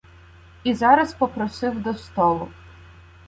І зараз попросив до столу